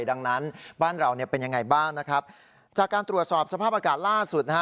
ดังนั้นบ้านเราเป็นยังไงบ้างนะจากการตรวจสอบสภาพอากาศล่าสุด